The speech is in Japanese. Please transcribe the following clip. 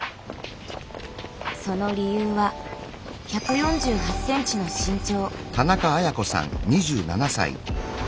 その理由は１４８ｃｍの身長。